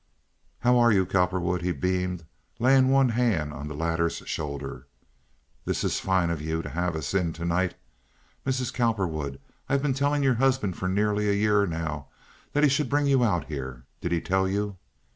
"How are you, Cowperwood?" he beamed, laying one hand on the latter's shoulder. "This is fine of you to have us in to night. Mrs. Cowperwood, I've been telling your husband for nearly a year now that he should bring you out here. Did he tell you?"